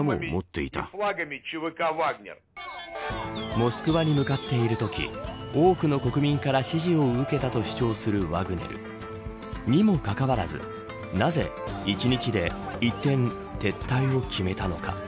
モスクワに向かっているとき多くの国民から支持を受けたと主張するワグネルにもかかわらず、なぜ１日で一転、撤退を決めたのか。